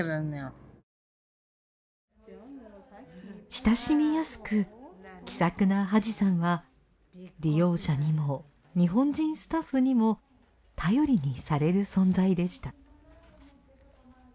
親しみやすく気さくなハジさんは利用者にも日本人スタッフにも頼りにされる存在でした。